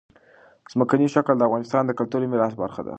ځمکنی شکل د افغانستان د کلتوري میراث برخه ده.